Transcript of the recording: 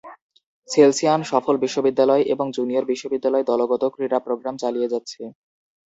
সেলসিয়ান সফল বিশ্ববিদ্যালয় এবং জুনিয়র বিশ্ববিদ্যালয় দলগত ক্রীড়া প্রোগ্রাম চালিয়ে যাচ্ছে।